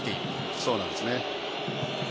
そうなんですね。